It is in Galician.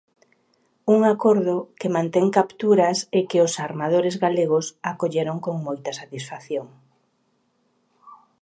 Un acordo que mantén capturas e que os armadores galegos acolleron con moita satisfacción.